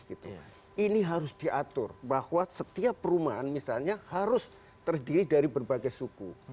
ini harus diatur bahwa setiap perumahan misalnya harus terdiri dari berbagai suku